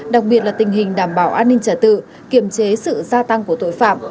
đặc biệt là tình hình đảm bảo an ninh trả tự kiểm chế sự gia tăng của tội phạm